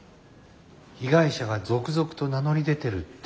被害者が続々と名乗り出てるって。